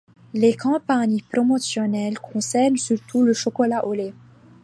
Les campagnes promotionnelles concernent surtout le chocolat au lait.